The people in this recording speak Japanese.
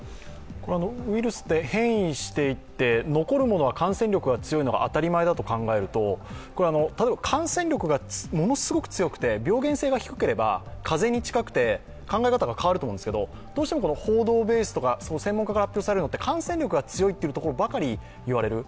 ウイルスって変異していって残るものは感染力が強いものが当たり前だと考えると、例えば感染力がものすごく強くて病原性が低ければ風邪に近くて考え方が変わると思うんですけど、どうしても報道ベースとか専門家から発表されるのって感染力が強いところばかりいわれる。